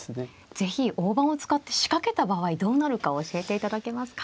是非大盤を使って仕掛けた場合どうなるか教えていただけますか。